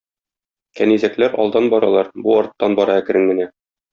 Кәнизәкләр алдан баралар, бу арттан бара әкрен генә.